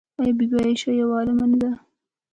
آیا بی بي عایشه یوه عالمه نه وه؟